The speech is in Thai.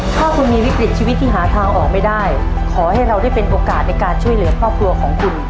ถ้าคุณมีวิกฤตชีวิตที่หาทางออกไม่ได้ขอให้เราได้เป็นโอกาสในการช่วยเหลือครอบครัวของคุณ